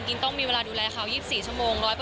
กินต้องมีเวลาดูแลเขา๒๔ชั่วโมง